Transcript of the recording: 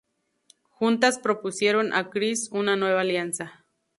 Juntas propusieron a Chris una nueva alianza.